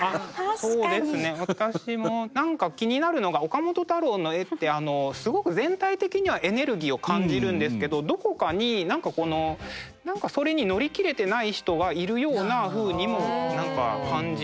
そうですね私も何か気になるのが岡本太郎の絵ってすごく全体的にはエネルギーを感じるんですけどどこかに何かそれに乗り切れてない人がいるようなふうにも感じるんですね。